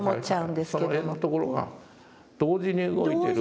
その辺のところが同時に動いてるわけだ。